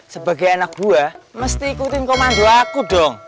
sebagai anak buah mesti ikutin komando aku dong